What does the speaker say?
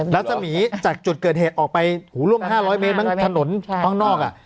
รัศมีร์จากจุดเกิดเหตุออกไปหูร่วม๕๐๐เมตรมั้งถนนข้างนอก